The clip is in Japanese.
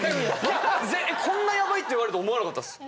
いやこんなヤバいって言われると思わなかったっす。